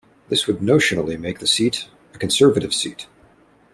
This would notionally make the seat a Conservative seat.